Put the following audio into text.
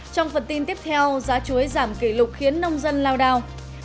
trong phần tin tiếp theo giá chuối giảm kỷ lục khiến nông dân lao đao